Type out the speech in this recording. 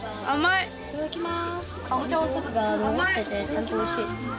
いただきます。